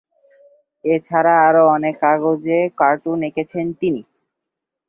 এছাড়া, আরো অনেক কাগজে কার্টুন এঁকেছেন তিনি।